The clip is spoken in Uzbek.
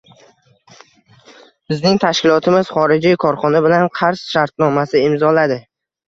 Bizning tashkilotimiz xorijiy korxona bilan qarz shartnomasi imzoladi.